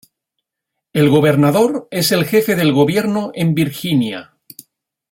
El gobernador es el jefe del gobierno en Virginia.